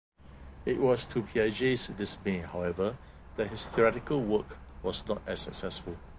It was to Piaget's dismay, however, that his theoretical work was not as successful.